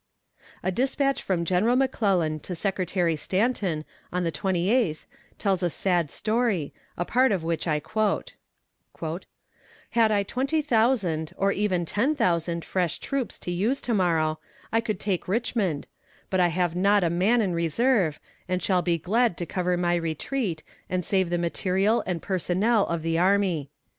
A despatch from General McClellan to Secretary Stanton, on the twenty eighth, tells a sad story, a part of which I quote: "Had I twenty thousand, or even ten thousand fresh troops to use to morrow, I could take Richmond; but I have not a man in reserve, and shall be glad to cover my retreat, and save the material and personnel of the army.